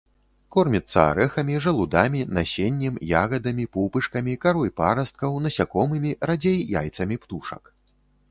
Корміцца арэхамі, жалудамі, насеннем, ягадамі, пупышкамі, карой парасткаў, насякомымі, радзей яйцамі птушак.